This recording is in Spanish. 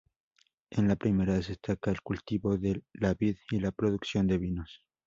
En la primera destaca el cultivo de la vid y la producción de vinos.